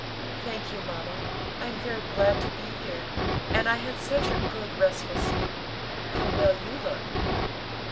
"Thank you, mamma, I am very glad to be here; and I had such a good restful sleep. How well you look."